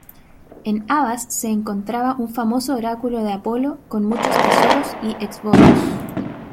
En Abas se encontraba un famoso oráculo de Apolo con muchos tesoros y exvotos.